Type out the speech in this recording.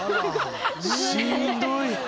しんどい。